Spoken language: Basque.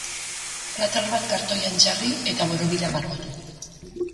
Plater bat kartoian jarri eta borobila margotu.